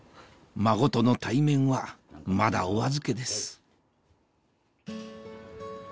孫との対面はまだお預けです